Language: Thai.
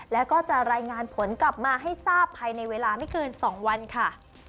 แล้วก็จะรายงานผลกลับมาให้ทราบภายในเวลาไม่เกิน๒วันค่ะ